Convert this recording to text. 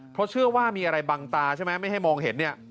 เพราะเชื่อว่ามีอะไรบังตาใช่ไหมไม่ให้มองเห็นเนี่ย